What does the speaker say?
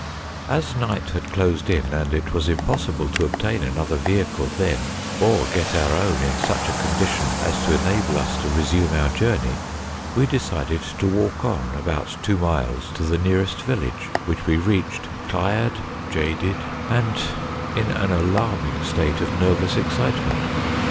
As night had closed in, and it was impossible to obtain another vehicle then, or get our own in such a condition as to enable us to resume our journey, we decided to walk on about two miles to the nearest village, which we reached, tired, jaded, and in an alarming state of nervous excitement.